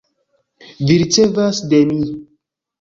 Vi ricevas de mi